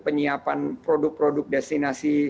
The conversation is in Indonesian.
penyiapan produk produk destinasi